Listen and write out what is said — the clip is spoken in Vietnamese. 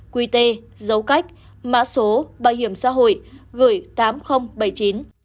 quy tê dấu cách mã số bảo hiểm xã hội gửi tám nghìn bảy mươi chín